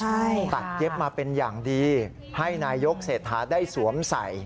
ใช่ตัดเย็บมาเป็นอย่างดีให้นายกเศรษฐาได้สวมใส่